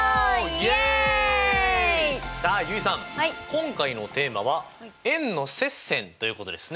今回のテーマは「円の接線」ということですね。